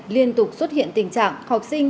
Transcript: liên tục xuất hiện tình trạng học sinh